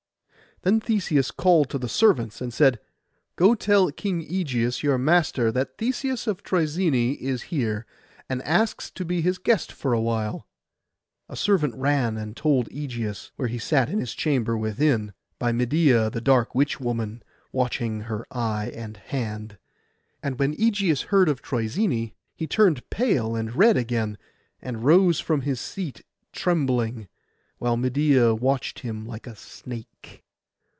Then Theseus called to the servants, and said, 'Go tell King Ægeus, your master, that Theseus of Troezene is here, and asks to be his guest awhile.' A servant ran and told Ægeus, where he sat in his chamber within, by Medeia the dark witch woman, watching her eye and hand. And when Ægeus heard of Troezene he turned pale and red again, and rose from his seat trembling, while Medeia watched him like a snake.